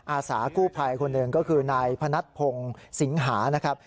อาสากู้ภัยคนหนึ่งก็คือนายพนัทพงศ์สิงหานะครับ